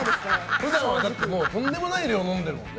普段はとんでもない量を飲んでるもんね。